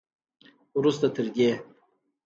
وروسته تر دې